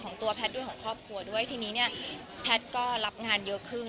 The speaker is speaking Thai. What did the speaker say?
ตัวแพทย์ด้วยของครอบครัวด้วยทีนี้เนี่ยแพทย์ก็รับงานเยอะขึ้น